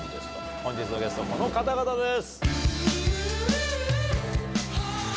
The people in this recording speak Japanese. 本日のゲスト、この方々です。